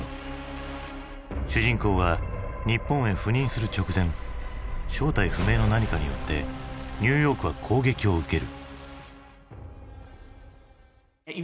主人公が日本へ赴任する直前正体不明の何かによってニューヨークは攻撃を受ける。